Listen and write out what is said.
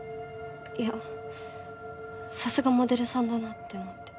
いやさすがモデルさんだなって思って。